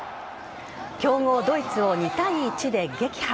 強豪・ドイツを２対１で撃破。